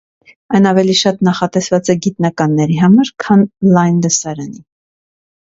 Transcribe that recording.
Այն ավելի շատ նախատեսված է գիտնականների համար, քան լայն լսարանի։